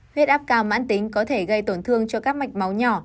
huyết áp cao mãn tính có thể gây tổn thương cho các mạch máu nhỏ